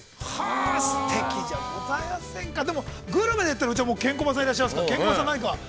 ◆すてきじゃございませんか、グルメでいったら、ケンコバさんがいらっしゃいますから、ケンコバさんは何か。